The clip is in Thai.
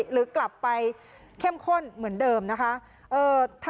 หรือกลับไปเข้มข้นเหมือนเดิมนะคะ